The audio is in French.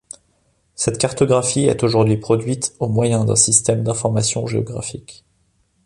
Cette cartographie est aujourd’hui produite au moyen d'un système d'information géographique.